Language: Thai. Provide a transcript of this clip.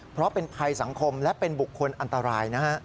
เพราะเป็นภัยสังคมและเป็นบุคคลอันตรายนะฮะ